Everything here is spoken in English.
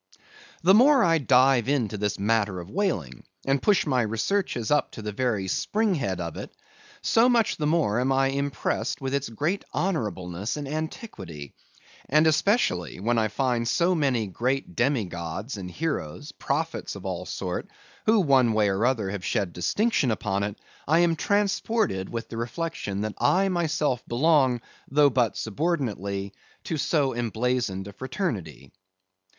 The more I dive into this matter of whaling, and push my researches up to the very spring head of it so much the more am I impressed with its great honorableness and antiquity; and especially when I find so many great demi gods and heroes, prophets of all sorts, who one way or other have shed distinction upon it, I am transported with the reflection that I myself belong, though but subordinately, to so emblazoned a fraternity.